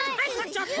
ちょっと！